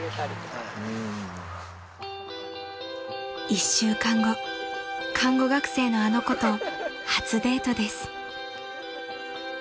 ［１週間後看護学生のあの子と初デートです］